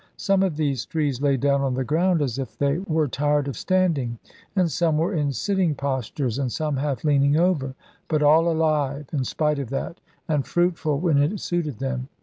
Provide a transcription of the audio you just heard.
Some of these trees lay down on the ground, as if they wore tired of standing, and some were in sitting postures, and some half leaning over; but all alive, in spite of that, and fruitful when it suited them.